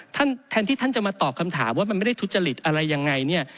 แทนที่ท่านจะมาตอบคำถามว่ามันไม่ได้ทุจริตอะไรยังไงเนี่ย